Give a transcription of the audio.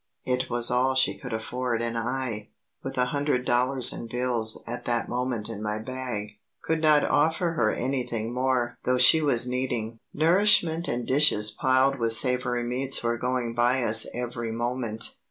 It was all she could afford and I, with a hundred dollars in bills at that moment in my bag, could not offer her anything more though she was needing nourishment and dishes piled with savoury meats were going by us every moment.